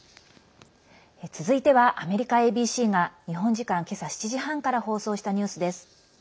続いては、アメリカＡＢＣが日本時間けさ７時半から放送したニュースです。